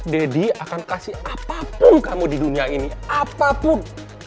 deddy akan kasih apapun kamu di dunia ini apapun